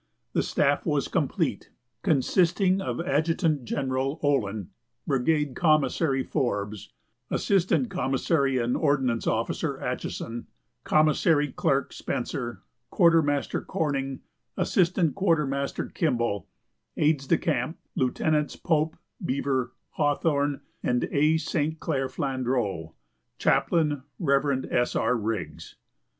The staff was complete, consisting of Adjutant General Olin, Brigade Commissary Forbes, Assistant Commissary and Ordnance Officer Atchison, Commissary Clerk Spencer, Quartermaster Corning, Assistant Quartermaster Kimball, Aides de camp Lieutenants Pope, Beever, Hawthorne and A. St. Clair Flandrau, Chaplain, Rev. S. R. Riggs.